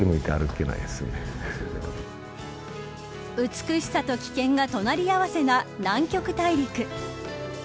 美しさと危険が隣合わせな南極大陸。